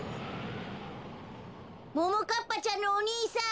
・ももかっぱちゃんのお兄さん！